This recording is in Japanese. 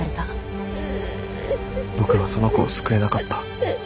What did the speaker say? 僕はその子を救えなかった。